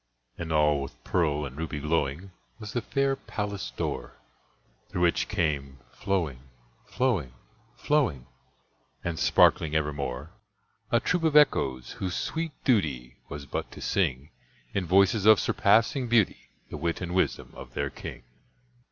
And all with pearl and ruby glowing Was the fair palace door, Through which came flowing, flowing, flowing, And sparkling evermore, A troop of Echoes, whose sweet duty Was but to sing, In voices of surpassing beauty, The wit and wisdom of their king.